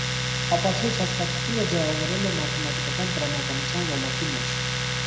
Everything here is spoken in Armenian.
Ապացոյց հասկացութիւնը ձեւաւորուեր է մաթեմաթիկական տրամաբանութեան ոլորտի մէջ։